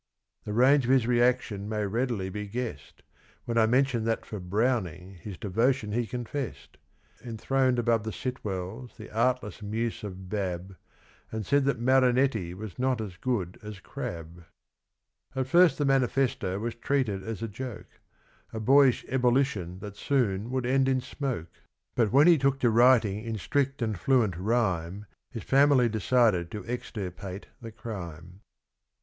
The range of his reaction may readily be guessed When I mention that for Browning his devotion he confessed. Enthroned above the Sitwells the artless Muse of " Bab," And said that Marinetti was not as good as Crabbe. At first the manifesto was treated as a joke, A boyish ebullition that soon would end in smoke ; But when he took to writing in strict and fluent rhyme His family decided to extirpate the crime.